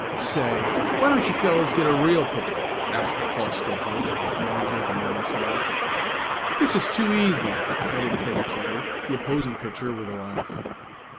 "Say, why don't you fellows get a real pitcher?" asked Halsted Hart, manager of the Morningsides. "This is too easy," added Ted Clay, the opposing pitcher with a laugh.